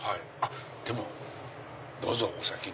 でもどうぞお先に。